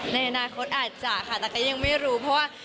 ในอนาคตอาจจะค่ะแต่ก็ยังไม่รู้เพราะว่า